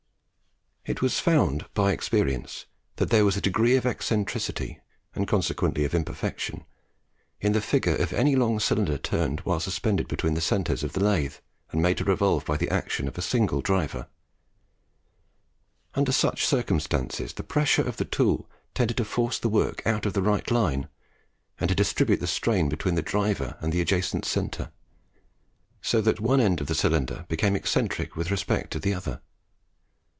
It was found by experience, that there was a degree of eccentricity, and consequently of imperfection, in the figure of any long cylinder turned while suspended between the centres of the lathe, and made to revolve by the action of a single driver. Under such circumstances the pressure of the tool tended to force the work out of the right line and to distribute the strain between the driver and the adjacent centre, so that one end of the cylinder became eccentric with respect to the other.